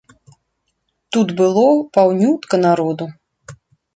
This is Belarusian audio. Тут было паўнютка народу.